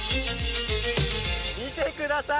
見てください